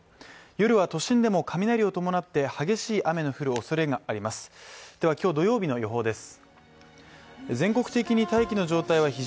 夜は都心でも雷を伴って激しい雨の降るおそれがあります。